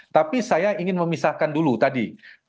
tapi saya ingin memisahkan dulu tadi